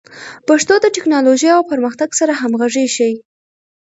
پښتو د ټکنالوژۍ او پرمختګ سره همغږي شي.